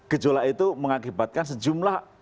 gejolak itu mengakibatkan sejumlah